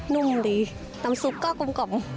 นุ่มดีน้ำซุปก็กลม